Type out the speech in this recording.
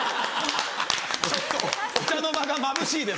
ちょっとお茶の間がまぶしいです